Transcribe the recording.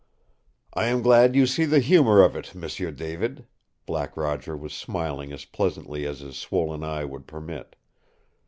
"I am glad you see the humor of it, M'sieu David." Black Roger was smiling as pleasantly as his swollen eye would permit.